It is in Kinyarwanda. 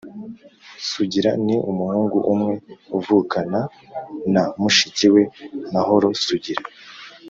Sugira ni umuhungu umwe uvukana na mushiki we Mahoro. Sugira